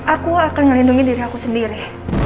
aku akan melindungi diri aku sendiri